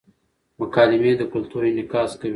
مکالمې د کلتور انعکاس کوي.